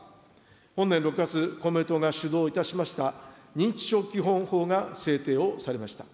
本年６月、公明党が主導いたしました認知症基本法が制定をされました。